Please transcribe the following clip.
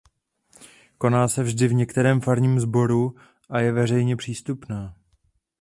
Koná se vždy v některém farním sboru a je veřejně přístupná.